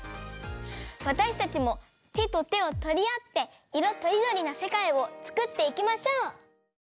わたしたちもてとてをとりあっていろとりどりな世界をつくっていきましょう！